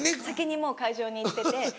先にもう会場に行ってて。